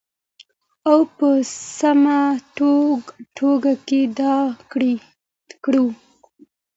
او په سمه توګه یې ادا کړو.